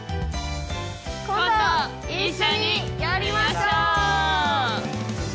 今度一緒にやりましょう！